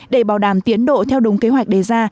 để bảo đảm tiến độ theo đúng kế hoạch đề ra